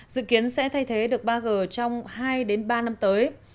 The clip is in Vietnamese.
dự kiến sẽ thay thế được ba g trong hai ba năm tới